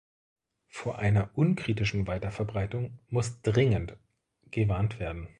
Vor einer unkritischen Weiterverbreitung muss dringend gewarnt werden.